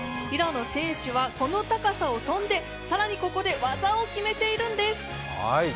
平野選手は、この高さを跳んで、更にここで技を決めているんです。